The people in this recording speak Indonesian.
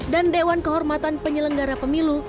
dan dewan kehormatan penyelenggara pemilu